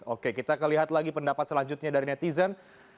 oke kita kelihat lagi pendapat selanjutnya dari netizen